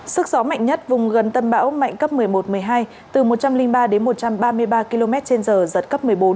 sức gió mạnh nhất vùng gần tâm bão mạnh cấp một mươi một một mươi hai từ một trăm linh ba đến một trăm ba mươi ba km trên giờ giật cấp một mươi bốn